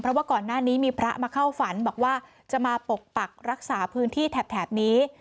เพราะว่าก่อนหน้านี้มีพระมาเข้าฝันบอกว่าจะมาปกปักรักษาพื้นที่แถบนี้